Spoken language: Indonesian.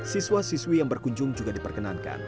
siswa siswi yang berkunjung juga diperkenankan